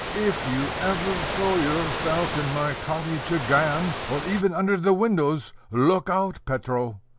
"If you ever show yourself in my cottage again, or even under the windows, look out, Petro!